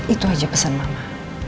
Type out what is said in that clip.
itu aja pesan mama